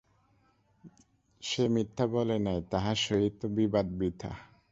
সে মিথ্যা বলে নাই, তাহার সহিত বিবাদ বৃথা।